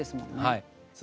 はい。